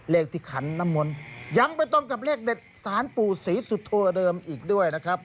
เลขที่ขันน้ำมนต์ยังไปตรงกับเลขเด็ดสารปู่ศรีสุโธเดิมอีกด้วยนะครับ